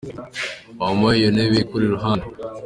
Wampaye iyo ntebe ikuri iruhande?